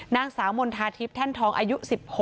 นางสาวมนธาธิปแทนทองอายุ๑๖